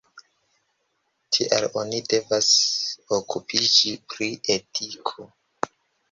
Tial oni devas okupiĝi pri etiko.